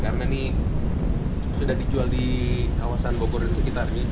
karena ini sudah dijual di bawah bawah sekitar